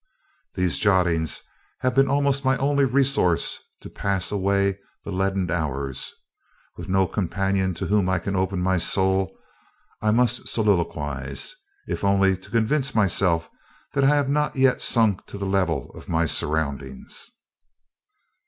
These jottings have been almost my only resource to pass away the leaden hours. With no companion to whom I can open my soul, I must soliloquize, if only to convince myself that I have not yet sunk to the level of my surroundings.